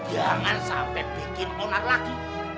jangan sampai bikin monar lagi